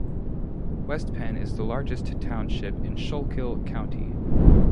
West Penn is the largest township in Schuylkill County.